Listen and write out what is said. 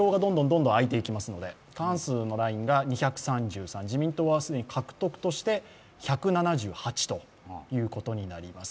票が開いていきますので、過半数のラインが２３３、自民党は既に獲得として１７８ということになります。